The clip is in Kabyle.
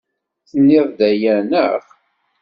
Tenniḍ-d aya, naɣ?